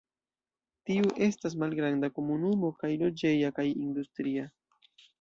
Tiu estas malgranda komunumo kaj loĝeja kaj industria.